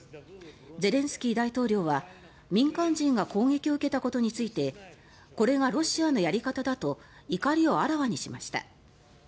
ゼレンスキー大統領は、民間人が攻撃を受けたことについてこれがロシアのやり方だと怒りをあらわにしました。